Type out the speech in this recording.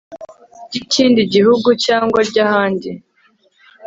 ry ikindi gihugu cyangwa ry ahandi